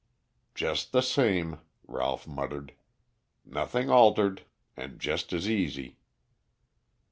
"Just the same," Ralph muttered. "Nothing altered. And just as easy."